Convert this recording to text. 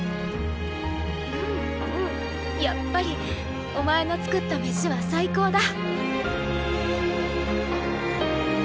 やっぱりお前の作ったメシは最高だ。